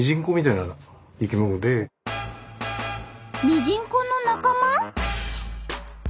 ミジンコの仲間？